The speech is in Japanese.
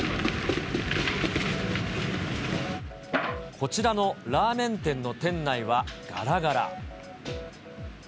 こちらのラーメン店の店内はがらがら。